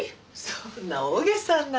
そんな大げさな。